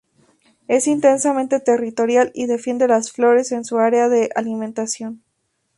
Es intensamente territorial y defiende las flores en su área de alimentación.